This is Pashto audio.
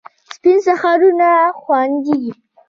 سپین سهارونه خاندي